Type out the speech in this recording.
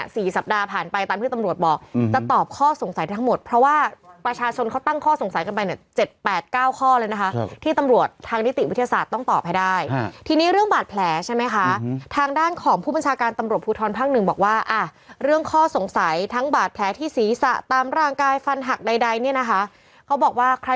สี่สัปดาห์ผ่านไปตามที่ตำรวจบอกอืมจะตอบข้อสงสัยทั้งหมดเพราะว่าประชาชนเขาตั้งข้อสงสัยกันไปเนี่ยเจ็ดแปดเก้าข้อเลยนะคะครับที่ตำรวจทางนิติวิทยาศาสตร์ต้องตอบให้ได้ทีนี้เรื่องบาดแผลใช่ไหมคะทางด้านของผู้บัญชาการตำรวจภูทรภาคหนึ่งบอกว่าอ่ะเรื่องข้อสงสัยทั้งบาดแผลที่ศีรษะตามร่างกายฟันหักใดใดเนี่ยนะคะเขาบอกว่าใคร